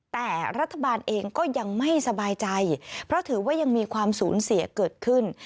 แต่รัฐบาลเองก็ยังไม่สบายใจเพราะถือว่ายังมีความสูญเสียเกิดขึ้น